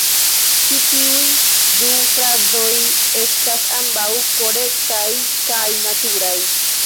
Ĉi tiuj du frazoj estas ambaŭ korektaj kaj naturaj.